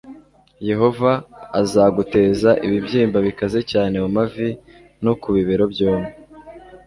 yehova azaguteza ibibyimba bikaze cyane mu mavi no ku bibero byombi